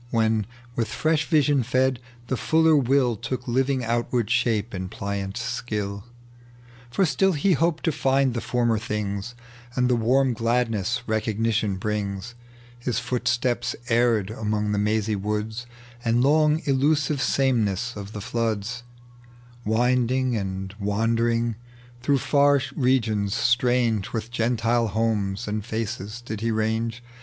When, withfreeli riaion fed, the fuller will Took living outward shape in pliant skUI ; For still be hoped to find the former things, And the warm gladnesa recognition brings. His footsteps erred among the mazy woods And long illusive sameness of the floods, Winding and wandering. Through far regions, atrange With Gentile homes and faces, did be range.